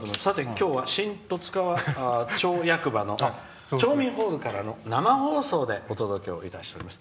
今日は新十津川町役場の町民ホールからの生放送でお届けしております。